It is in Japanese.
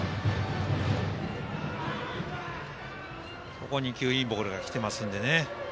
ここ２球いいボールきてますのでね。